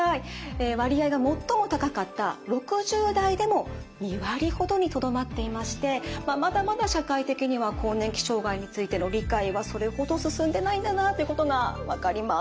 割合が最も高かった６０代でも２割ほどにとどまっていましてまだまだ社会的には更年期障害についての理解はそれほど進んでないんだなっていうことが分かります。